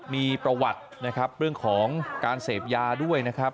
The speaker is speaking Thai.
มีประวัตินะครับเรื่องของการเสพยาด้วยนะครับ